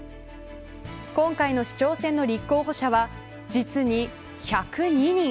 今回の市長選の立候補者は実に１０２人。